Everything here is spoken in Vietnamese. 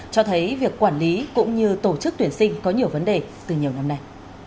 cho thấy việc quản lý cũng như tổ chức tuyển sinh có nhiều vấn đề từ nhiều năm nay